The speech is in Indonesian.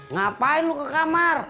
ngapain lu ke kamar